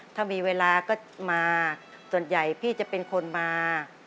ถ้ามีเวลาก็มาส่วนใหญ่พี่จะเป็นคนมา